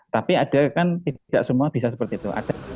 tapi ada kan tidak semua bisa seperti itu